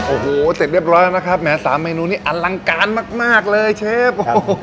โอ้โหเสร็จเรียบร้อยแล้วนะครับแม้๓เมนูนี้อลังการมากเลยเชฟ